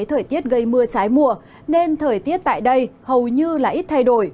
thời tiết gây mưa trái mùa nên thời tiết tại đây hầu như là ít thay đổi